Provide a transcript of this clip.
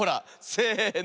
せの。